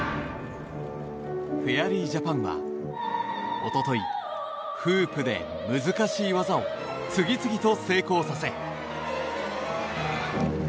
フェアリージャパンはおとといフープで難しい技を次々と成功させ。